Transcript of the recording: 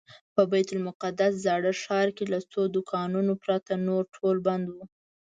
په بیت المقدس زاړه ښار کې له څو دوکانونو پرته نور ټول بند و.